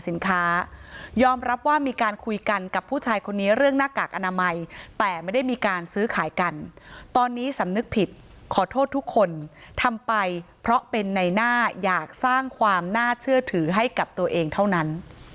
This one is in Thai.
ยอมรับว่ามีการคุยกันกับผู้ชายคนนี้เรื่องหน้ากากอนามัยแต่ไม่ได้มีการซื้อขายกันตอนนี้สำนึกผิดขอโทษทุกคนทำไปเพราะเป็นในหน้าอยากสร้างความน่าเชื่อถือให้กับตัวเองเท่านั้น